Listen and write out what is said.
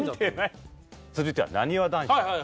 続いてはなにわ男子。